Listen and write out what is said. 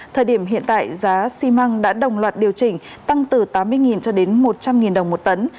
thời điểm hiện tại giá xi măng đã đồng loạt điều chỉnh tăng từ tám mươi cho đến một trăm linh đồng một tấn